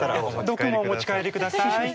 毒もお持ち帰りください。